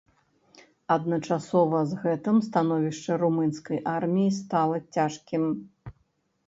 Адначасова з гэтым становішча румынскай арміі стала цяжкім.